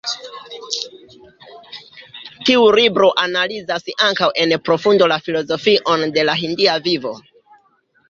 Tiu libro analizas ankaŭ en profundo la filozofion de la hindia vivo.